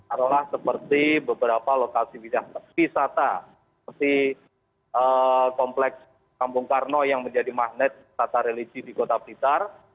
adalah seperti beberapa lokasi bidang wisata seperti kompleks kampung karno yang menjadi magnet tata religi di kota blitar